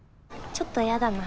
ちょっとやだな